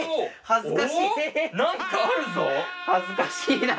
恥ずかしいな。